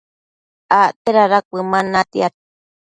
acte dada cuëman natiad